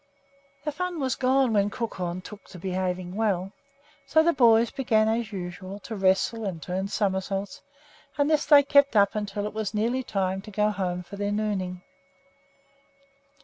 The fun was gone when Crookhorn took to behaving well, so the boys began as usual to wrestle and turn somersaults; and this they kept up until it was nearly time to go home for their nooning.